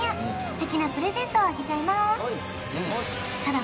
素敵なプレゼントをあげちゃいまーすただ